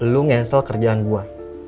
lu ngancel kerjaan gua